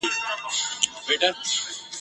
د زمري تر خولې را ووتل آهونه ..